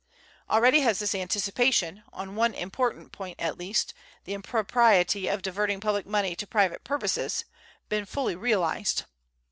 Already has this anticipation, on one important point at least the impropriety of diverting public money to private purposes been fully realized.